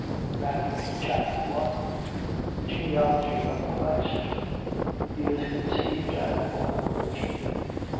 Matthew Chapter 1 The genealogy of Christ: he is conceived and born of a virgin.